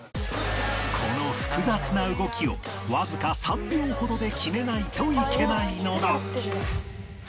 この複雑な動きをわずか３秒ほどで決めないといけないのだ